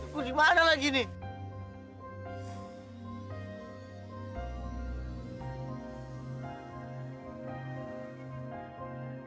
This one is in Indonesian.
gue dimana lagi nih